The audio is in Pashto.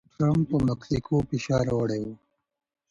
ټرمپ پر مکسیکو فشار راوړی و.